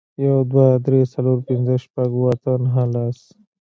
یو, دوه, درې, څلور, پنځه, شپږ, اووه, اته, نه, لس